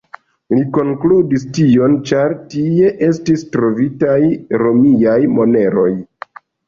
Li konkludis tion, ĉar tie estis trovitaj romiaj moneroj.